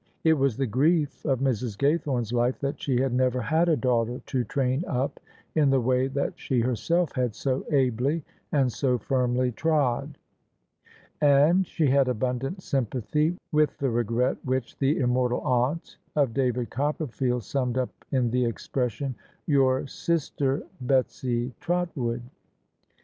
It was the grief of Mrs. Gaythorne's life that she had never had a daughter to train up in the way that she herself had so ably and so firmly trod: and she had abundant sympathy with the regret which the immortal aunt of David Copper field summed up in the expression, " Your sister, Betsy Trotwood."